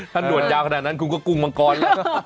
ถ้าด่วนยาวขนาดนั้นคุณก็กุ้งมังกร